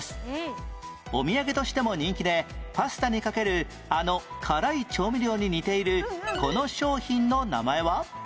お土産としても人気でパスタにかけるあの辛い調味料に似ているこの商品の名前は？